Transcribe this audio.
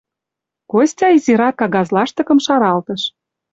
Костя изирак кагаз лаштыкым шаралтыш.